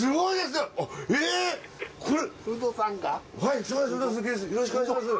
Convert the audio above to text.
よろしくお願いします。